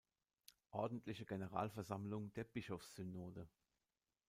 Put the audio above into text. Ordentliche Generalversammlung der Bischofssynode.